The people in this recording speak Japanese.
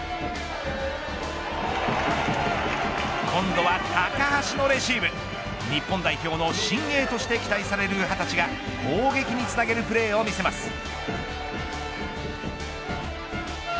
今度は高橋がレシーブ日本代表の新鋭として期待される２０歳が攻撃につなげるプレーを見せます。